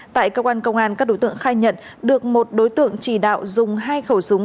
tại cơ quan công an các đối tượng khai nhận được một đối tượng chỉ đạo dùng hai khẩu súng